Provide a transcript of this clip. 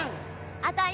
当たり！